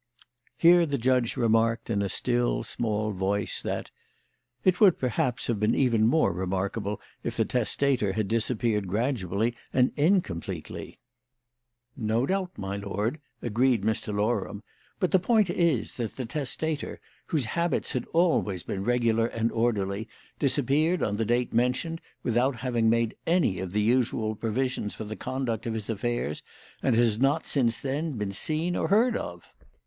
Here the judge remarked in a still, small voice that "It would, perhaps, have been even more remarkable if the testator had disappeared gradually and incompletely." "No doubt, my Lord," agreed Mr. Loram; "but the point is that the testator, whose habits had always been regular and orderly, disappeared on the date mentioned without having made any of the usual provisions for the conduct of his affairs, and has not since then been seen or heard of."